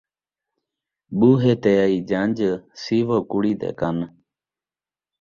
ٻوہے تے آئی جنڄ، سیوو کڑی دے کن